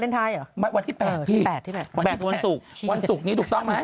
เป็นภักดิ์สุดท้าย